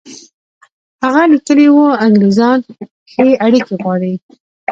هغه لیکلي وو انګرېزان ښې اړیکې غواړي.